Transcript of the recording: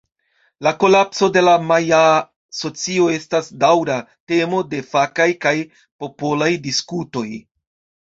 La kolapso de la majaa socio estas daŭra temo de fakaj kaj popolaj diskutoj.